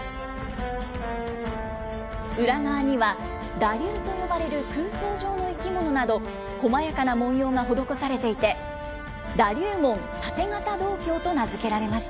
裏側には、だ龍と呼ばれる空想上の生き物など、こまやかな文様が施されていて、だ龍文盾形銅鏡と名付けられました。